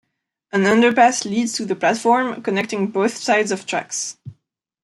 An underpass leads to the platform, connecting both sides of tracks.